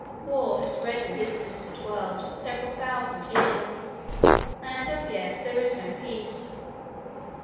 War has reddened this distant world for several thousand years, and as yet there is no peace.